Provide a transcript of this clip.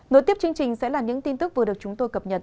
nối tiếp chương trình sẽ là những tin tức vừa được chúng tôi cập nhật